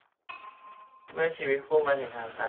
เมื่อชีวิตคู่มาถึงทางตัน